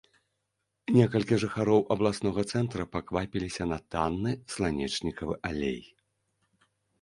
Некалькі жыхароў абласнога цэнтра паквапіліся на танны сланечнікавы алей.